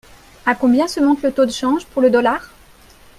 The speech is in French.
À combien se monte le taux de change pour le dollar ?